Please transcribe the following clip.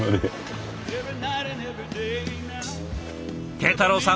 慶太郎さん